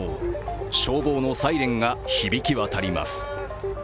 消防のサイレンが響きわたります。